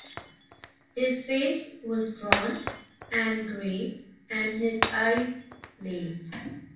His face was drawn and grey and his eyes blazed.